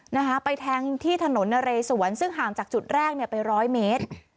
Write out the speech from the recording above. นะคะไปแทงที่ถนนนะเรสวนซึ่งห่างจากจุดแรกเนี่ยไปร้อยเมตร